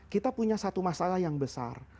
kita punya satu masalah yang besar